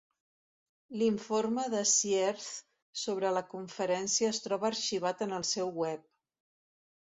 L'informe de Sierz sobre la conferència es troba arxivat en el seu web.